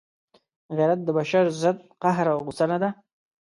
غیرت د بشر ضد قهر او غصه نه ده.